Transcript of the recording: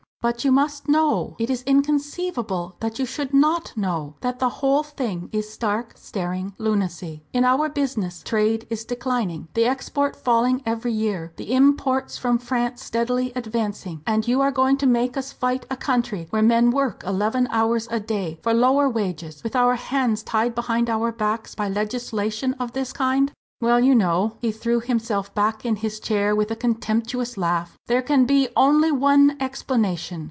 "But you must know, it is inconceivable that you should not know, that the whole thing is stark staring lunacy. In our business, trade is declining, the export falling every year, the imports from France steadily advancing. And you are going to make us fight a country where men work eleven hours a day, for lower wages, with our hands tied behind our backs by legislation of this kind? Well, you know," he threw himself back in his chair with a contemptuous laugh, "there can be only one explanation.